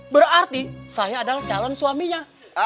berarti saya adalah calon suaminya